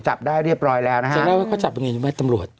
จับได้เรียบร้อยแล้วนะฮะจะเล่าให้เขาจับยังไงรู้ไหมตำรวจ